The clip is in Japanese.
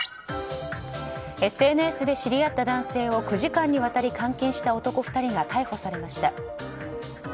ＳＮＳで知り合った男性を９時間にわたり監禁した男２人が逮捕されました。